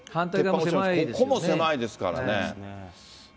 ここも狭いですからね。